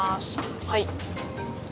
はい。